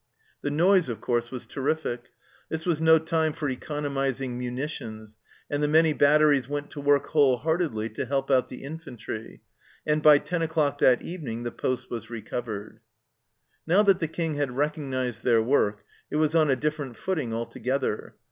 The noise, of THE CELLAR HOUSE OF PERVYSE course, was terrific ; this was no time for economis ing munitions, and the many batteries went to work whole heartedly to help out the infantry, and by ten o'clock that evening the poste was recovered. Now that the King had recognized their work it was on a different footing altogether.